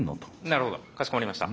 なるほどかしこまりました。